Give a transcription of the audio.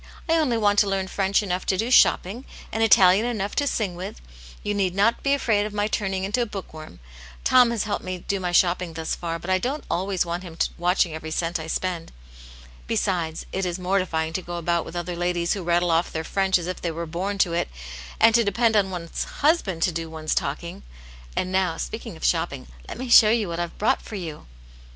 I only want to learn French enough to do shopping, and Italian enough to sing with ; you need not be afraid of my turning into a book worm. Tom has helped me do my shopping thus far, but I don't always want him watching every cent I spend. Besides, it is mor tifying to go about with other ladies who rattle off their French as if they were born to it, and to depend on one's husband to do one's talking. And now, speaking of shopping, let me show you what I've brought for you."